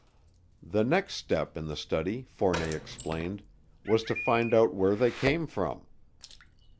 The next step in the study, Fournet explained, was to find out where they came from.